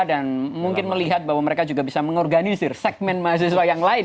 dan mungkin melihat bahwa mereka juga bisa mengorganisir segmen mahasiswa yang lain